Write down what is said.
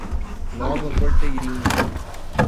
Nova Porteirinha